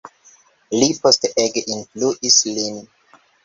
Li poste ege influis lin.